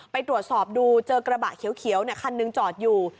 ไปตรวจสอบดูเจอกระบะเขียวคันหนึ่งจอดอยู่